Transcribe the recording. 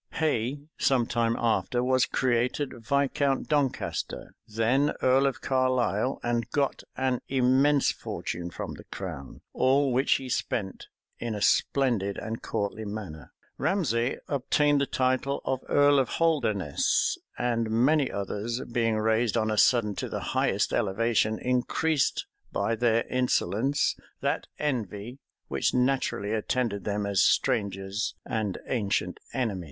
Hay, some time after, was created Viscount Doncaster, then earl of Carlisle, and got an immense fortune from the crown, all which he spent in a splendid and courtly manner. Ramsay obtained the title of earl of Holderness; and many others being raised on a sudden to the highest elevation, increased, by their insolence, that envy which naturally attended them as strangers and ancient enemies.